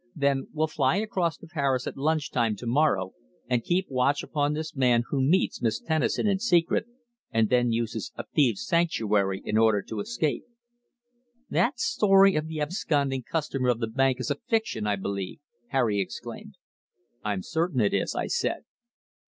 "Then we'll fly across to Paris at lunch time to morrow, and keep watch upon this man who meets Miss Tennison in secret and then uses a thieves' sanctuary in order to escape." "That story of the absconding customer of the bank is a fiction, I believe," Harry exclaimed. "I'm certain it is," I said.